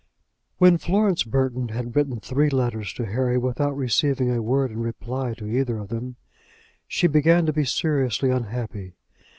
When Florence Burton had written three letters to Harry without receiving a word in reply to either of them, she began to be seriously unhappy.